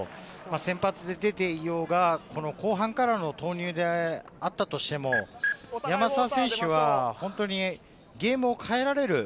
先発で出ていようが、後半からの投入であったとしても、山沢選手は本当にゲームを変えられる。